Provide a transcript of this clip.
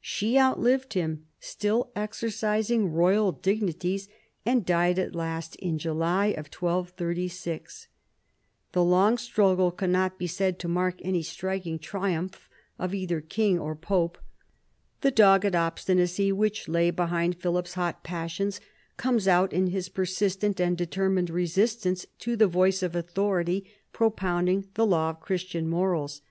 She outlived him, still exercising royal dignities, and died at last in July 1236. The long struggle cannot be said to mark any striking triumph of either king or pope. The dogged obstinacy which lay behind Philip's hot passions comes out in his persistent and determined resistance to the voice of authority propounding the law of Christian morals.